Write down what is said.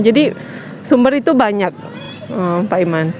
jadi sumber itu banyak pak iman